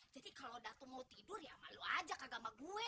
jadi kalo datu mau tidur ya malu aja kagak sama gue